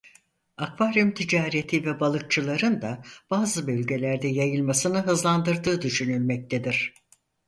Akvaryum ticareti ve balıkçıların da bazı bölgelerde yayılmasını hızlandırdığı düşünülmektedir.